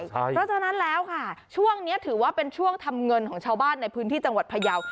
เพราะฉะนั้นแล้วค่ะช่วงนี้ถือว่าเป็นช่วงทำเงินของชาวบ้านในพื้นที่จังหวัดพยาว